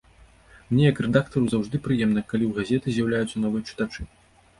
Мне як рэдактару заўжды прыемна, калі ў газеты з'яўляюцца новыя чытачы.